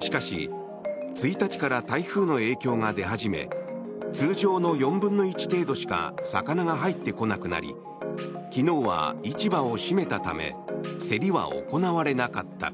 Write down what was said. しかし、１日から台風の影響が出始め通常の４分の１程度しか魚が入ってこなくなり昨日は市場を閉めたため競りは行われなかった。